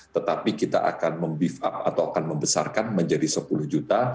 tetapi kita akan membesarkan menjadi sepuluh juta